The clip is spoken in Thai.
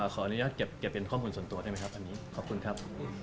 ขออนุญาตเก็บเป็นข้อมูลส่วนตัวได้ไหมครับอันนี้ขอบคุณครับ